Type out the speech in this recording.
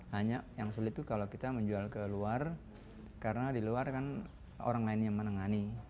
hanya yang sulit itu kalau kita menjual ke luar karena di luar kan orang lain yang menengani